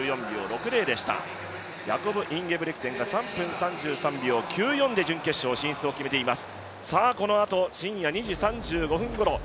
ヤコブ・インゲブリクセンが３分３３秒９４で準決勝進出を決めています。